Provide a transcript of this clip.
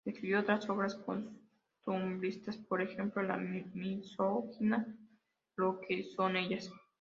Escribió otras obras costumbristas, por ejemplo la misógina "Lo que son ellas.